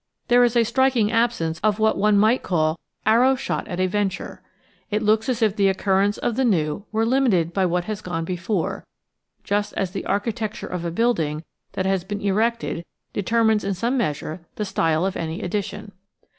There is a striking absence of what one might call arrows shot at a venture. It looks as if the occurrence of the new were limited by what has gone before, just as the architecture of a building that has been erected determines in some measure the style of any addition.